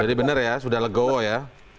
jadi bener ya sudah legowo ya